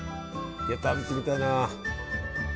いや食べてみたいな。